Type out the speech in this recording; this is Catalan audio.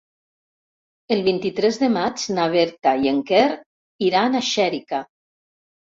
El vint-i-tres de maig na Berta i en Quer iran a Xèrica.